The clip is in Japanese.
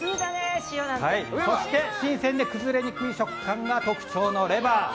そして、新鮮で崩れにくい食感が特徴のレバー。